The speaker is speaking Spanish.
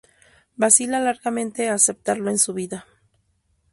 Vacila largamente a aceptarlo en su vida.